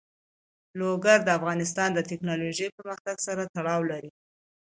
لوگر د افغانستان د تکنالوژۍ پرمختګ سره تړاو لري.